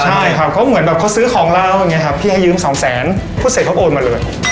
ใช่ครับเขาเหมือนเขาซื้อของเราพี่ให้ยืม๒แสนพูดเสร็จเขาโอนมาเลย